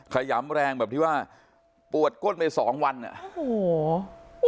ขยำแรงแบบที่ว่าปวดก้นไปสองวันอ่ะโอ้โห